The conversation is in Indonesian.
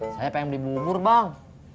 saya pengen dibubur bang